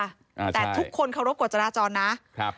แต่ทุกคนเค้ารบกวจราจรนะ